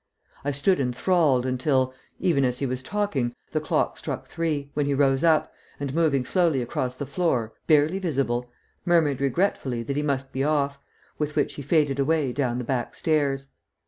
I stood inthralled until, even as he was talking, the clock struck three, when he rose up, and moving slowly across the floor, barely visible, murmured regretfully that he must be off, with which he faded away down the back stairs.